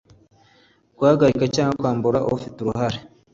Guhagarika cyangwa kwambura ufite uruhare